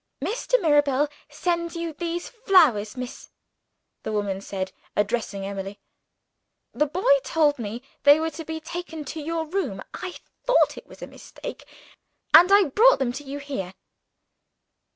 "Mr. Mirabel sends you these flowers, miss," the woman said, addressing Emily. "The boy told me they were to be taken to your room. I thought it was a mistake, and I have brought them to you here."